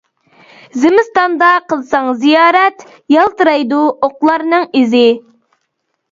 زىمىستاندا قىلساڭ زىيارەت، يالتىرايدۇ ئوقلارنىڭ ئىزى.